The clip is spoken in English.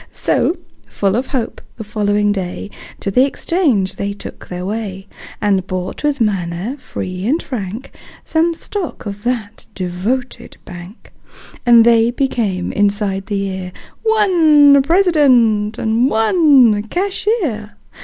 So, full of hope, the following day To the exchange they took their way And bought, with manner free and frank, Some stock of that devoted bank; And they became, inside the year, One President and one Cashier.